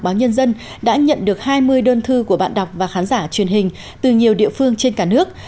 báo nhân dân đã nhận được hai mươi đơn thư của bạn đọc và khán giả truyền hình từ nhiều địa phương trên cả nước